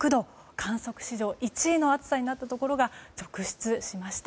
観測史上一位の暑さになったところが続出しました。